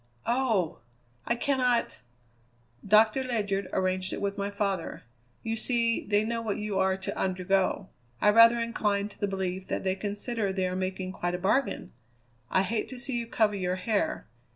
Oh! I cannot " "Doctor Ledyard arranged it with my father. You see, they know what you are to undergo. I rather incline to the belief that they consider they are making quite a bargain. I hate to see you cover your hair.